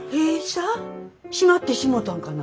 閉まってしもうたんかな。